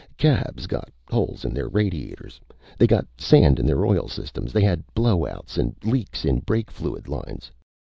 Cabs got holes in their radiators. They got sand in their oil systems. They had blowouts an' leaks in brake fluid lines.